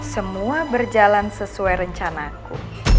semua berjalan sesuai rencanaku